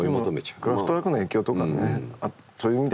クラフトワークの影響とかねそういう意味ではあったのかも。